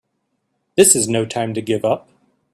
This is no time to give up!